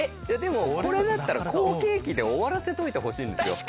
これだったら「好景気」で終わらせといてほしいんですよ。